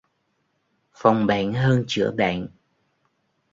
Phòng bệnh hơn chữa bệnh.